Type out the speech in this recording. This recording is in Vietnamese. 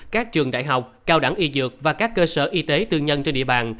các trường đại học cao đẳng y dược và các cơ sở y tế tư nhân trên địa bàn